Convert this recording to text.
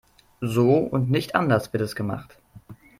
So und nicht anders wird es gemacht.